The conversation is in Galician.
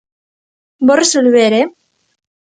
Vou resolver ¡eh!